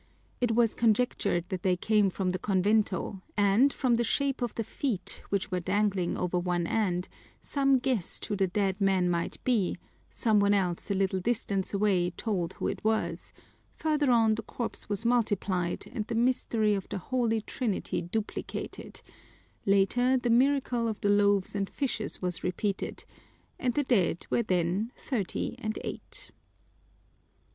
It was conjectured that they came from the convento, and, from the shape of the feet, which were dangling over one end, some guessed who the dead man might be, some one else a little distance away told who it was; further on the corpse was multiplied and the mystery of the Holy Trinity duplicated, later the miracle of the loaves and fishes was repeated and the dead were then thirty and eight.